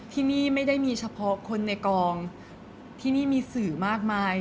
ที่นี่ไม่ได้มีเฉพาะคนในกองที่นี่มีสื่อมากมาย